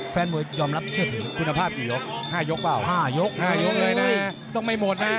คุณภาพอยู่ห้ายกหรือเปล่าห้ายกเลยนะต้องไม่หมดนะ